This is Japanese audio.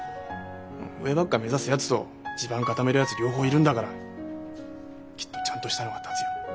上ばっか目指すやつと地盤固めるやつ両方いるんだからきっとちゃんとしたのが建つよ。